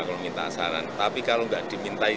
kalau minta saran tapi kalau nggak dimintai